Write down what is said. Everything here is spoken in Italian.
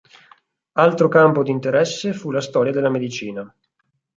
Altro campo di interesse fu la storia della medicina.